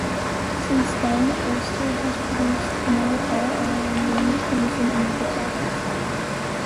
Since then Ulster has produced more All-Ireland winning teams than any other province.